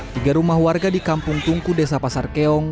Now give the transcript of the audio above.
tiga rumah warga di kampung tungku desa pasar keong